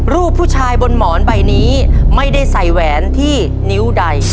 รูปผู้ชายบนหมอนใบนี้ไม่ได้ใส่แหวนที่นิ้วใด